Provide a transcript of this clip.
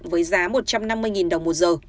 với giá một trăm năm mươi đồng một giờ